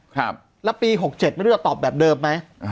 ครับแล้วปี๖๗ไม่รู้จะตอบแบบเดิมไหม